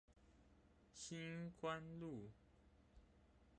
梓官路